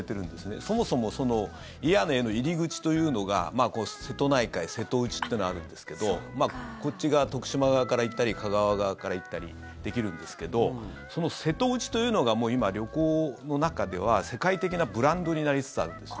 そもそも祖谷への入り口というのが瀬戸内海、瀬戸内というのがあるんですけどこっち側、徳島側から行ったり香川側から行ったりできるんですけどその瀬戸内というのが今、旅行の中では世界的なブランドになりつつあるんですよ。